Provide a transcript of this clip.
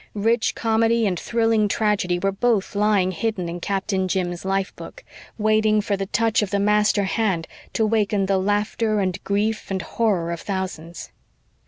Rich comedy and thrilling tragedy were both lying hidden in Captain Jim's "life book," waiting for the touch of the master hand to waken the laughter and grief and horror of thousands.